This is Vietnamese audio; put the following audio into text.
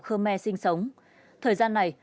khơ me sinh sống thời gian này